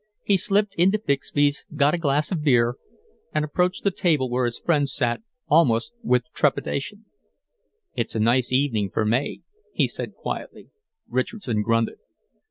He slipped into Bixby's, got a glass of beer, and approached the table where his friends sat, almost with trepidation. "It's a nice evening for May," he said quietly. Richardson grunted.